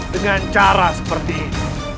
dengan cara seperti ini